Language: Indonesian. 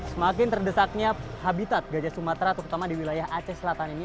semakin terdesaknya habitat gajah sumatera terutama di wilayah aceh selatan ini